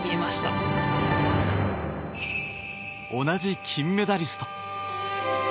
同じ金メダリスト。